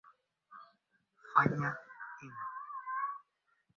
tutathmini ukweli wa mambo katika uchaguzi huo wa urais iliyoongozwa na jaji mstaafu kutoka